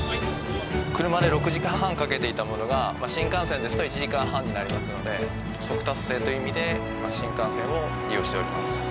車で６時間半かけていたものが新幹線ですと１時間半になりますので速達性という意味で新幹線を利用しております。